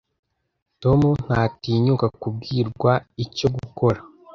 Tom ntatinyuka kubwirwa icyo gukora.